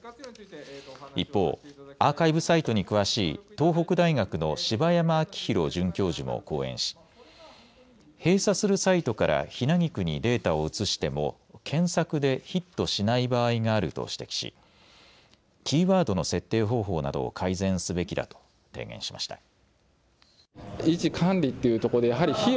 一方アーカイブサイトに詳しい東北大学の柴山明寛准教授も講演し閉鎖するサイトからひなぎくにデータを移しても検索でヒットしない場合があると指摘しキーワードの設定方法などを改善すべきだと提言しました。